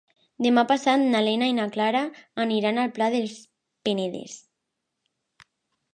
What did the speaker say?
Demà passat na Lena i na Clara aniran al Pla del Penedès.